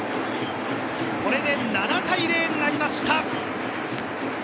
これで７対０になりました。